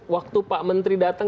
waktu pak menteri datang